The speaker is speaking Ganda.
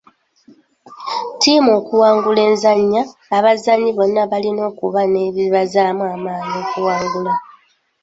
Ttiimu okuwangula enzannya, abazannyi bonna balina okuba n'ekibazzaamu amaanyi okuwangula.